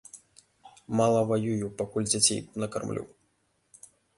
Мала ваюю, пакуль дзяцей накармлю.